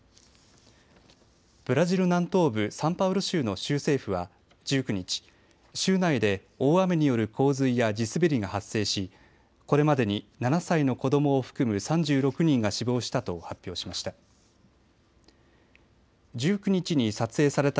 ブラジル南東部サンパウロ州の州政府は１９日、州内で大雨による洪水や地滑りが発生しこれまでに７歳の子どもを含む３６人が死亡したと発表しました。